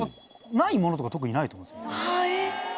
ないものとか特にないと思うんですよ。